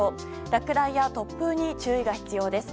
落雷や突風に注意が必要です。